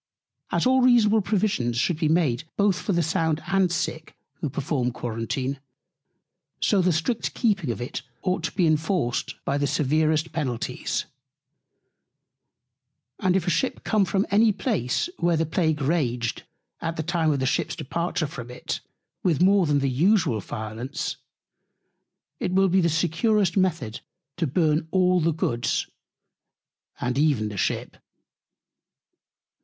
As all reasonable Provisions should be made both for the Sound and Sick, who perform Quarentine; so the strict keeping of it ought to be inforced by the severest Penalties. And if a Ship come from any Place, where the Plague raged, at the Time of the Ship's Departure from it, with more than usual Violence, it will be the securest Method to Burn all the Goods, and even the Ship.